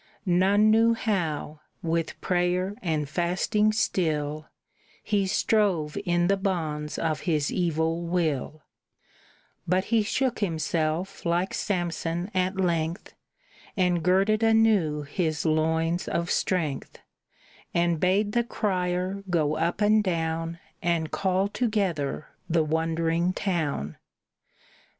None knew how, with prayer and fasting still, He strove in the bonds of his evil will; But he shook himself like Samson at length, And girded anew his loins of strength, And bade the crier go up and down And call together the wondering town.